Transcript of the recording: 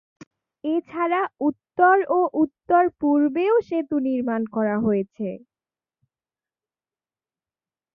এছাড়া উত্তর ও উত্তর-পূর্বেও সেতু নির্মাণ করা হয়েছে।